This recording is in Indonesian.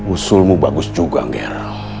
usulmu bagus juga ger